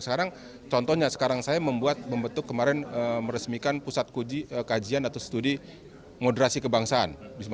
sekarang contohnya sekarang saya membuat membentuk kemarin meresmikan pusat kajian atau studi moderasi kebangsaan